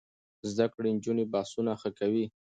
زده کړې نجونې بحثونه ښه کوي.